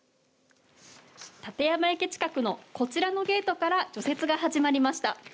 立山駅近くのこちらのゲートから除雪が始まりました。